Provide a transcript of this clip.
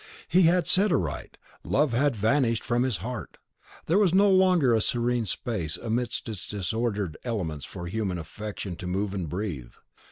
He had said aright, LOVE HAD VANISHED FROM HIS HEART; there was no longer a serene space amidst its disordered elements for human affection to move and breathe.